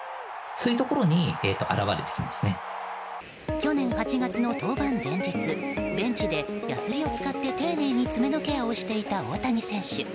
去年８月の登板前日ベンチでやすりを使って丁寧に爪のケアをしていた大谷選手。